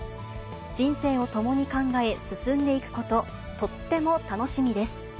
人生を共に考え進んでいくこと、とっても楽しみです！